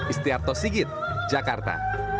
istiarto sigit jakarta